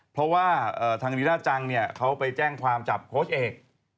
เพราะว่าทางลีน่าจังเนี่ยเขาไปแจ้งความจับโค้ชเอก